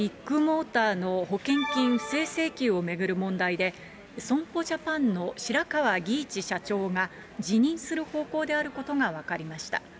ビッグモーターの保険金不正請求を巡る問題で、損保ジャパンの白川儀一社長が、辞任する方向であることが分かりました。